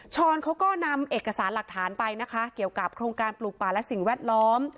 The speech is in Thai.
ช้อนเขาก็นำเอกสารหลักฐานไปนะคะเกี่ยวกับโครงการปลูกป่าและสิ่งแวดล้อม